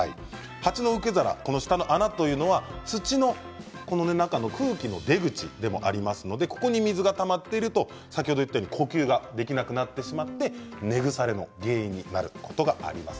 鉢の受け皿、この下の穴というのは土の空気の出口でもありますのでここに水がたまっていると呼吸ができなくなってしまって根腐れの原因となります。